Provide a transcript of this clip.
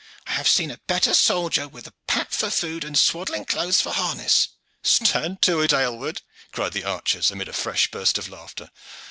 I have seen a better soldier with pap for food and swaddling clothes for harness." "Stand to it, Aylward," cried the archers, amid a fresh burst of laughter.